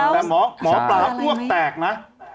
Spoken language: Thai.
แต่หมอปลาอ้วกแตกนะ